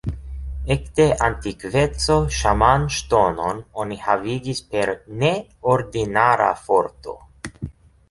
Ekde antikveco Ŝaman-ŝtonon oni havigis per ne ordinara forto.